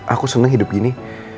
aku seneng hidup gini